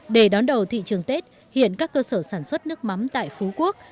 để đón đầu thị trường tết hiện các cơ sở sản xuất nước mắm tại phú quốc